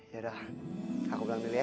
yaudah aku pulang dulu ya